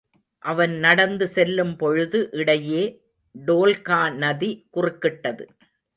அவன் நடந்து செல்லும்பொழுது இடையே டோல்காநதி குறுக்கிட்டது.